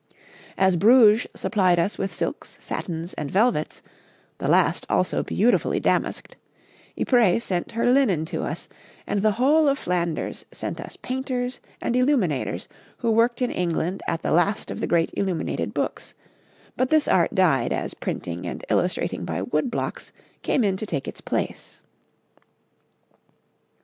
As Bruges supplied us with silks, satins, and velvets, the last also beautifully damasked, Yprès sent her linen to us, and the whole of Flanders sent us painters and illuminators who worked in England at the last of the great illuminated books, but this art died as printing and illustrating by wood blocks came in to take its place.